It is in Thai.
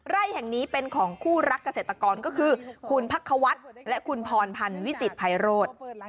ไร่แห่งนี้เป็นของคู่รักเกษตรกรก็คือคุณพักควัฒน์และคุณพรพันธ์วิจิตภัยโรธ